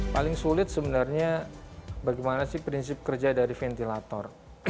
paling sulit sebenarnya bagaimana sih prinsip kerja dari ventilator